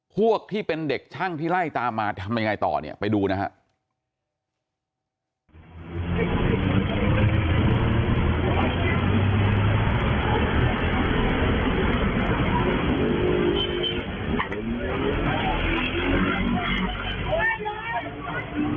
พวกที่เป็นเด็กช่างที่ไล่ตามมาทำยังไงต่อเนี่ยไปดูนะครับ